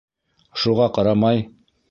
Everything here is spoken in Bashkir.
Шуға ҡарамай...